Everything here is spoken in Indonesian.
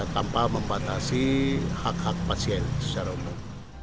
tanpa membatasi hak hak pasien secara umum